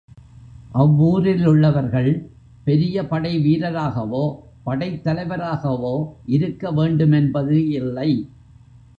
அவ்வூரிலுள்ளவர்கள் பெரிய படை வீரராகவோ, படைத் தலைவராகவோ இருக்க வேண்டுமென்பது இல்லை.